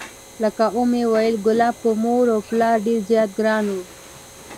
لکه ومو ویل کلاب په مور و پلار ډېر زیات ګران و،